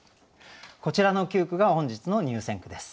こちらの９句が本日の入選句です。